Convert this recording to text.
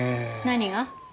何が？